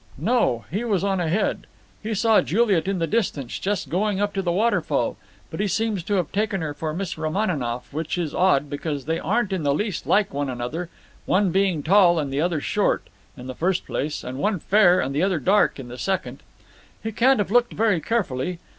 "No, he was on ahead. He saw Juliet in the distance, just going up to the waterfall, but he seems to have taken her for Miss Romaninov, which is odd, because they aren't in the least like one another, one being tall and the other short, in the first place, and one fair and the other dark in the second. He can't have looked very carefully.